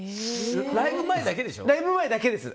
ライブ前だけです。